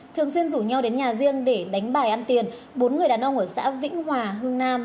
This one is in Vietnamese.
thường xuyên rủ nhau đến nhà riêng để đánh bài ăn tiền bốn người đàn ông ở xã vĩnh hòa hưng nam